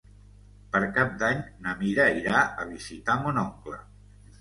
Per Cap d'Any na Mira irà a visitar mon oncle.